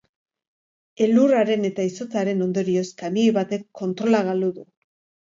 Elurraren eta izotzaren ondorioz kamioi batek kontrola galdu du.